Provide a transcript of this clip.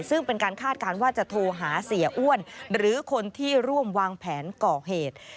ซึ่งเป็นการคาดการณ์ว่าจะโทรหาเสียอ้วนหรือคนที่ร่วมวางแผนก่อเหตุ